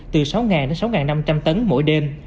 từ sáu đến sáu năm trăm linh tấn mỗi đêm